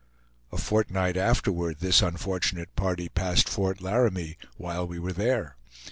A fortnight afterward this unfortunate party passed Fort Laramie, while we were there.